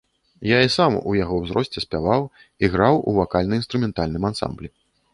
Я і сам у яго ўзросце спяваў і граў у вакальна-інструментальным ансамблі.